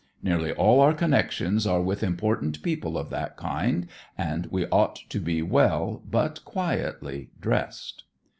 Nearly all our connections are with important people of that kind, and we ought to be well, but quietly, dressed."